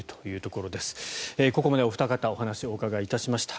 ここまでお二方にお話をお伺いしました。